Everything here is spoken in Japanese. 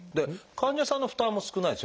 患者さんの負担も少ないですよね